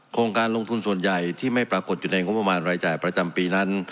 โครงการลงทุนส่วนใหญ่ที่ไม่ปรากฏอยู่ในงบประมาณรายจ่ายประจำปีนั้น